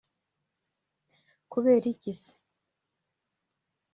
Kubera iki se